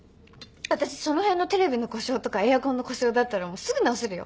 わたしその辺のテレビの故障とかエアコンの故障だったらもうすぐ直せるよ。